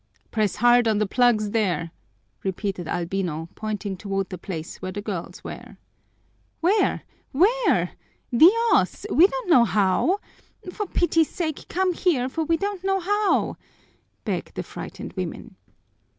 "Press hard on the plugs there!" repeated Albino, pointing toward the place where the girls were. "Where, where? Diós! We don't know how! For pity's sake come here, for we don't know how!" begged the frightened women.